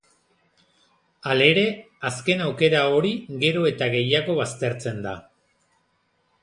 Halere, azken aukera hori gero eta gehiago baztertzen da.